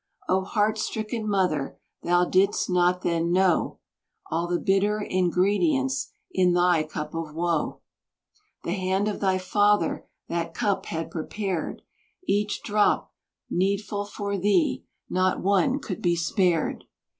Oh! heart stricken mother, thou didst not then know All the bitter ingredients in thy cup of woe. The hand of thy father that cup had prepared, Each drop needful for thee, not one could be spared.